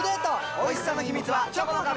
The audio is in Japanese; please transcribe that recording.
おいしさの秘密はチョコの壁！